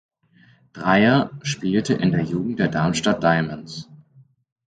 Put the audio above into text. Dreier spielte in der Jugend der Darmstadt Diamonds.